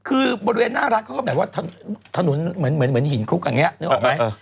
คือบริเวณหน้าร้านเขาก็แบบว่าถนนเหมือนหินคลุกอย่างนี้นึกออกไหม